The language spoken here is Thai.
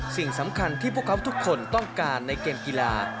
สิ่งสำคัญที่พวกเขาทุกคนต้องการในเกมกีฬา